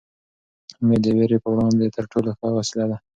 امېد د وېرې په وړاندې تر ټولو ښه وسله ده.